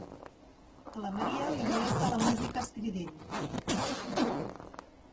A la Maria li molesta la música estrident.